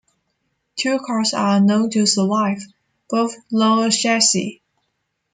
Two cars are known to survive, both low chassis.